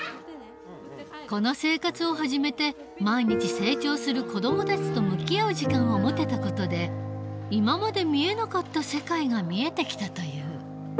この生活を始めて毎日成長する子どもたちと向き合う時間を持てた事で今まで見えなかった世界が見えてきたという。